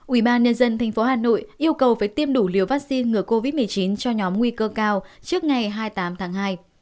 ubnd tp hà nội yêu cầu phải tiêm đủ liều vaccine ngừa covid một mươi chín cho nhóm nguy cơ cao trước ngày hai mươi tám tháng hai